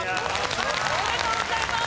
おめでとうございます！